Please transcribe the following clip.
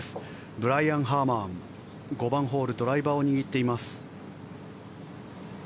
ブライアン・ハーマン５番ホールドライバーを握っています。